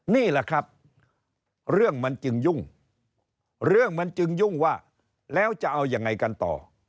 นี่แหละครับเรื่องมันจึงยุ่งเรื่องมันจึงยุ่งว่าแล้วจะเอายังไงกันต่อ